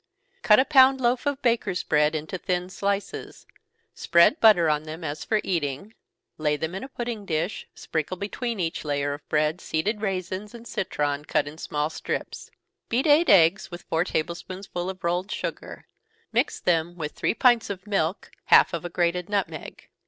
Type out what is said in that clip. _ Cut a pound loaf of bakers' bread into thin slices spread butter on them as for eating lay them in a pudding dish sprinkle between each layer of bread seeded raisins, and citron, cut in small strips. Beat eight eggs with four table spoonsful of rolled sugar mix them with three pints of milk, half of a grated nutmeg.